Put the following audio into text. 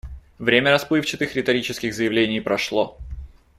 Время расплывчатых риторических заявлений прошло.